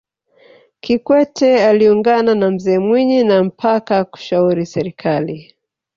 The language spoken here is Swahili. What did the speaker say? kikwete aliungana na mzee mwinyi na mkapa kushauri serikali